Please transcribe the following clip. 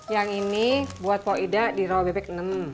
yang ini buat pak ida di rawa bebek enam